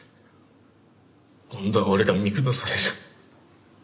今度は俺が見下される。